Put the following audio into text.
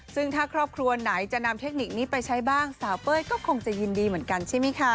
ซึ่งถ้าครอบครัวไหนจะนำเทคนิคนี้ไปใช้บ้างสาวเป้ยก็คงจะยินดีเหมือนกันใช่ไหมคะ